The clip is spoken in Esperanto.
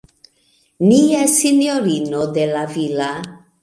Nia Sinjorino de la Villa.